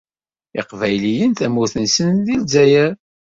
Iqbayliyen tamurt-nsen deg Lezzayer.